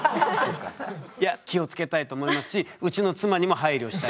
いや気を付けたいと思いますしうちの妻にも配慮したいと思います。